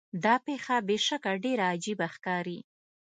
دا پیښه بې شکه ډیره عجیبه ښکاري.